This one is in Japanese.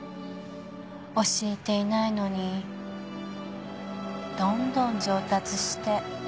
教えていないのにどんどん上達して。